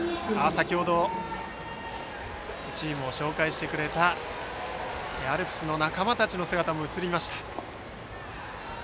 先程、チームを紹介してくれたアルプスの仲間たちの姿も映りました。